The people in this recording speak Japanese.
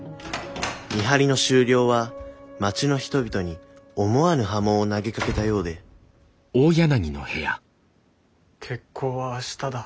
見張りの終了は町の人々に思わぬ波紋を投げかけたようで決行は明日だ。